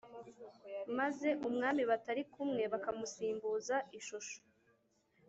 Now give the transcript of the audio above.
maze umwami batari kumwe, bakamusimbuza ishusho,